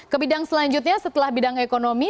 ke bidang selanjutnya setelah bidang ekonomi